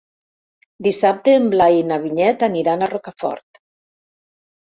Dissabte en Blai i na Vinyet aniran a Rocafort.